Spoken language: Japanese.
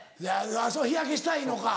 日焼けしたいのか。